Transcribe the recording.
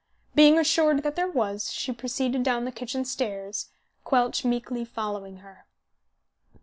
Being assured that there was, she proceeded down the kitchen stairs, Quelch meekly following her.